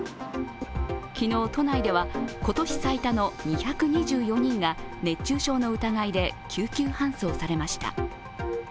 昨日都内では、今年最多の２２４人が、熱中症の疑いで救急搬送されました。